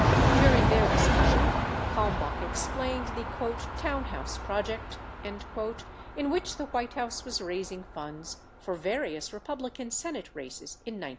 During their discussion, Kalmbach explained the "Town House Project" in which the White House was raising funds for various Republican Senate races in 1970.